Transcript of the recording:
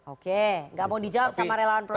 oke nggak mau dijawab sama relawan projo